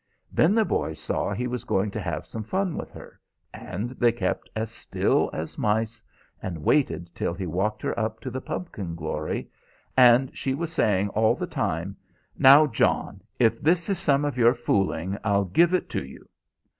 Then the boys saw he was going to have some fun with her, and they kept as still as mice, and waited till he walked her up to the pumpkin glory; and she was saying all the time, 'Now, John, if this is some of your fooling, I'll give it to you.'